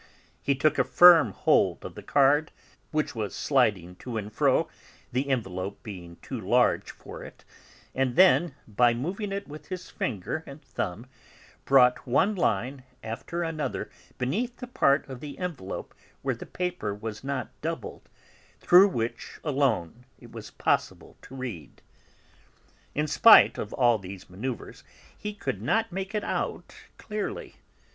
He took a firm hold of the card, which was sliding to and fro, the envelope being too large for it and then, by moving it with his finger and thumb, brought one line after another beneath the part of the envelope where the paper was not doubled, through which alone it was possible to read. In spite of all these manoeuvres he could not make it out clearly.